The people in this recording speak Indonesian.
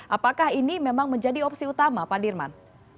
apakah ini memang menjadi opsi utama pak dirman